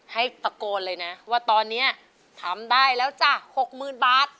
ให้ตะโกนเลยนะว่าตอนนี้ทำได้แล้วจ้ะ๖๐๐๐บาท